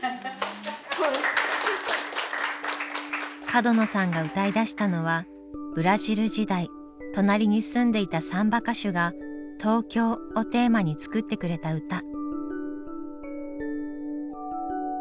角野さんが歌いだしたのはブラジル時代隣に住んでいたサンバ歌手が「東京」をテーマに作ってくれた歌。